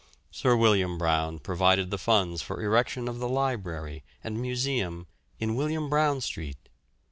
Sir William Brown provided the funds for erection of the Library and Museum in William Brown Street.